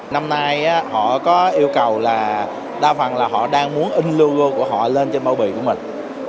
năm nay họ có yêu cầu là đa phần là họ đang muốn in logo của họ lên trên bao bì của mình